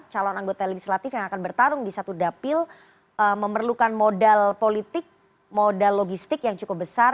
calon anggota legislatif yang akan bertarung di satu dapil memerlukan modal politik modal logistik yang cukup besar